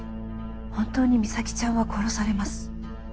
本当に実咲ちゃんは殺されます